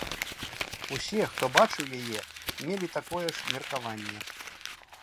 Усе, хто бачыў яе мелі такое ж меркаванне.